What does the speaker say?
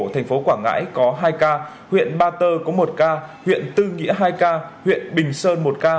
thành phố quảng ngãi có hai ca huyện ba tơ có một ca huyện tư nghĩa hai ca huyện bình sơn một ca